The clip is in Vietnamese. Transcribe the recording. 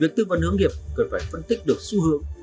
việc tư vấn hướng nghiệp cần phải phân tích được xu hướng